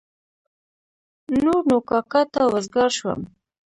نور نو کاکا ته وزګار شوم.